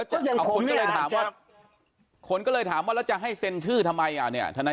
ได้อีกคนก็เลยถามว่าจะให้เส้นชื่อทำไมอ่ะเนี่ยทน้าย